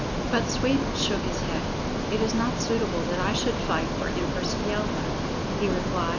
But Sweep shook his head. "It is not suitable that I should fight for Empress Yelva," he replied.